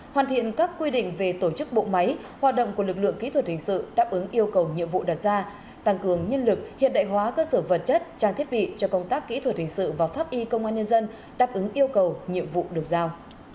hoàn thiện các quy định về tổ chức bộ máy hoạt động của lực lượng kỹ thuật hình sự đáp ứng yêu cầu nhiệm vụ đặt ra tăng cường nhân lực hiện đại hóa cơ sở vật chất trang thiết bị cho công tác kỹ thuật hình sự và pháp y công an nhân dân đáp ứng yêu cầu nhiệm vụ được giao